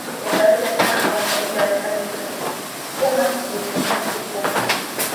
Ni kawaida sana kwa makabila watani wa msukuma kumtania msukuma